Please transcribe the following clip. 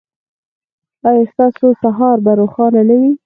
ایا ستاسو سهار به روښانه نه وي؟